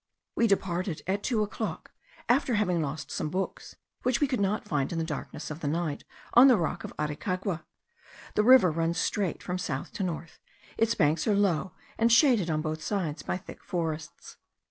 We departed at two o'clock, after having lost some books, which we could not find in the darkness of the night, on the rock of Aricagua. The river runs straight from south to north; its banks are low, and shaded on both sides by thick forests.